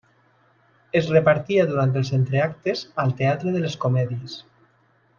Es repartia durant els entreactes al Teatre de les Comèdies.